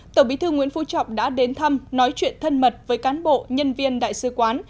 tổng bí thư nguyễn phú trọng đã đến thăm nói chuyện thân mật với cán bộ nhân viên đại sứ quán